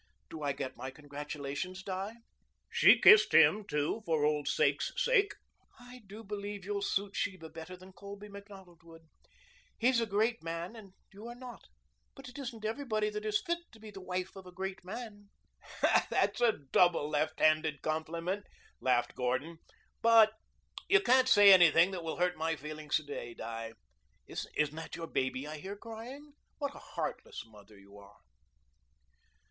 "Do I get my congratulations, Di?" She kissed him, too, for old sake's sake. "I do believe you'll suit Sheba better than Colby Macdonald would. He's a great man and you are not. But it isn't everybody that is fit to be the wife of a great man." "That's a double, left handed compliment," laughed Gordon. "But you can't say anything that will hurt my feelings to day, Di. Isn't that your baby I heap crying? What a heartless mother you are!"